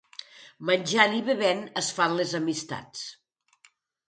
Menjant i bevent es fan les amistats.